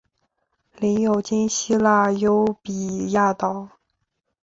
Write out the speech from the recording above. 领有今希腊优卑亚岛。